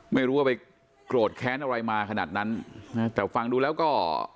ไม่รู้ว่าไปโกรธแค้นอะไรมาขนาดนั้นนะแต่ฟังดูแล้วก็